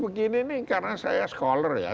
begini nih karena saya sekolah ya